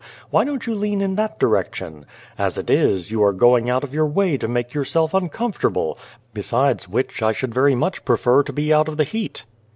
Why don't you lean in that direction ? As it is, you are going out of your way to make yourself uncomfortable, besides which I should very much prefer to be out of the heat."